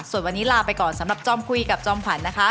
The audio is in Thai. ส่วนวันนี้ลาไปก่อนสำหรับจอมคุยกับจอมขวัญนะคะ